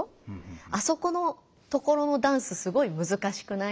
「あそこのところのダンスすごいむずかしくない？」。